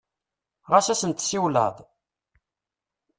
Ɣas ad sen-tsiwleḍ?